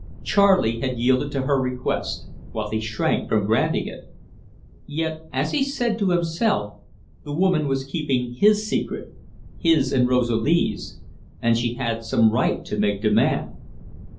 Charley had yielded to her request, while he shrank from granting it. Yet, as he said to himself, the woman was keeping his secret his and Rosalie's and she had some right to make demand.